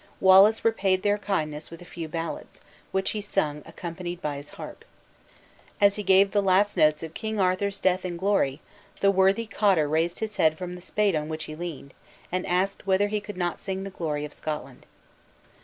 Wallace repaid their kindness with a few ballads, which he sung accompanied by his harp. As he gave the last notes of "King Arthur's Death in Glory," the worthy cotter raised his head from the spade on which he leaned, and asked whether he could not sing the glory of Scotland.